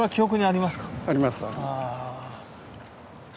あります。